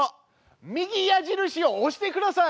右矢印を押してください！